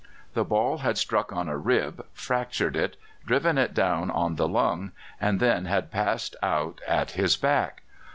The ball had struck on a rib, fractured it, driven it down on the lung, and then had passed out at his back.